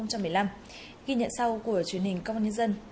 ghi nhận sau của truyền hình công an nhân dân